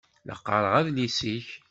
La qqaṛeɣ adlis-ik.